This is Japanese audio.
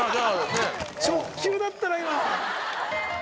直球だったな今。